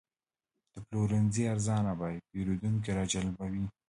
د پلورنځي ارزانه بیې پیرودونکي راجلبوي.